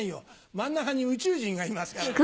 真ん中に宇宙人がいますからね。